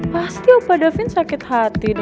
pasti opa davin sakit hati ya